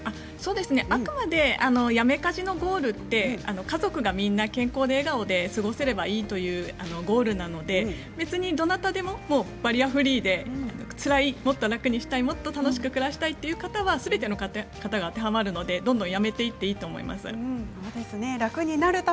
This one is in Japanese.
あくまでやめ家事のゴールは家族がみんな健康で笑顔で過ごせればいいというゴールですのでどなたでもバリアフリーでつらい、もっと楽にしたいもっと楽しく暮らしたいということはすべての方が当てはまるのでどんどんやめていいと思います。